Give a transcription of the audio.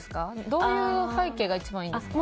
どういう背景が一番いいんですか？